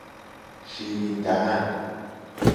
شیرین دهن